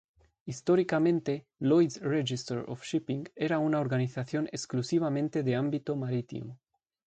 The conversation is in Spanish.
Históricamente, Lloyd's Register of Shipping, era una organización exclusivamente de ámbito marítimo.